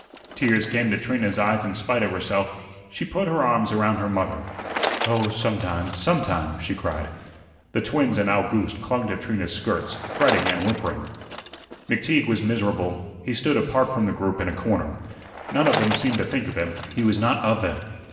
Tears came to Trina's eyes in spite of herself. She put her arms around her mother. "Oh, sometime, sometime," she cried. The twins and Owgooste clung to Trina's skirts, fretting and whimpering. McTeague was miserable. He stood apart from the group, in a corner. None of them seemed to think of him; he was not of them.